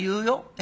え？